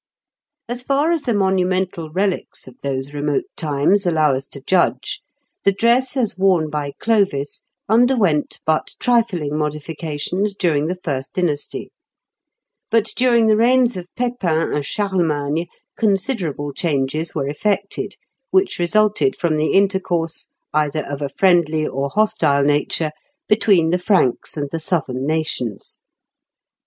As far as the monumental relics of those remote times allow us to judge, the dress as worn by Clovis underwent but trifing modifications during the first dvnasty; but during the reigns of Pepin and Charlemagne considerable changes were effected, which resulted from the intercourse, either of a friendly or hostile nature, between the Franks and the southern nations.